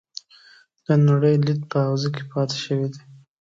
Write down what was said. د نړۍ لید په حوزه کې پاتې شوي دي.